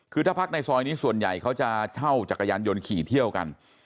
คือถ้าพักในซอยนี้ส่วนใหญ่เขาจะเช่าจักรยานยนต์ขี่เที่ยวกัน